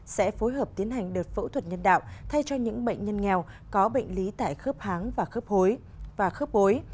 sẽ phối hợp tiến hành đợt phẫu thuật nhân đạo thay cho những bệnh nhân nghèo có bệnh lý tại khớp háng và khớp hối